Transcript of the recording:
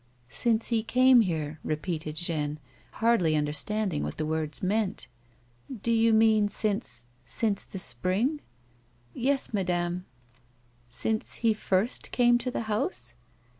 " Since he came here," repeated Jeanne, hardly imder standing what the words meant. " Do you mean since — since the spring ?" "Yes, madame." " Since he fii'st came to the house